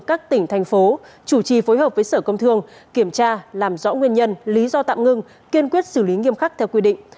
các tỉnh thành phố chủ trì phối hợp với sở công thương kiểm tra làm rõ nguyên nhân lý do tạm ngưng kiên quyết xử lý nghiêm khắc theo quy định